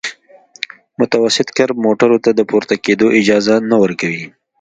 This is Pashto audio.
متوسط کرب موټرو ته د پورته کېدو اجازه نه ورکوي